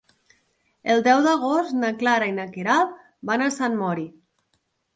El deu d'agost na Clara i na Queralt van a Sant Mori.